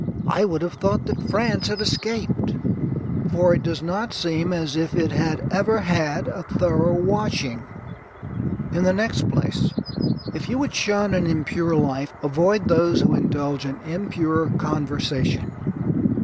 I would have thought that France had escaped, for it does not seem as if it had ever had a thorough washing. In the next place, if you would shun an impure life, avoid those who indulge in impure conversation.